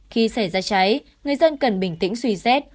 khi xảy ra cháy người dân cần bình tĩnh suy rét